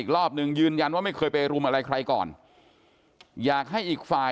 รอบนึงยืนยันว่าไม่เคยไปรุมอะไรใครก่อนอยากให้อีกฝ่าย